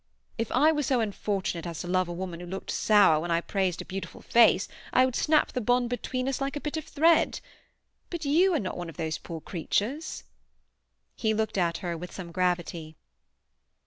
If I were so unfortunate as to love a woman who looked sour when I praised a beautiful face, I would snap the bond between us like a bit of thread. But you are not one of those poor creatures." He looked at her with some gravity.